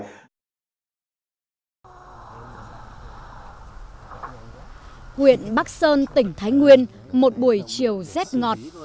huyện bắc sơn tỉnh thái nguyên một buổi chiều rét ngọt